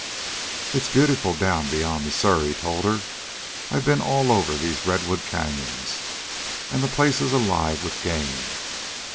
"It's beautiful down beyond the Sur," he told her. "I've been all over those redwood canyons, and the place is alive with game.